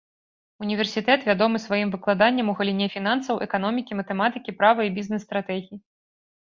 Універсітэт вядомы сваім выкладаннем у галіне фінансаў, эканомікі, матэматыкі, права і бізнес-стратэгій.